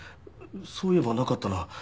そういえばなかったな。